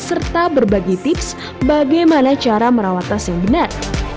serta berbagi tips bagaimana cara merawat tas yang benar